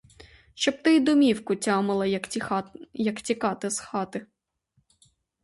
Щоб ти й довіку тямила, як тікати з хати!